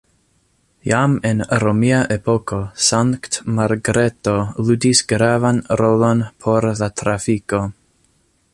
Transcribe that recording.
Jam en romia epoko Sankt-Margreto ludis gravan rolon por la trafiko.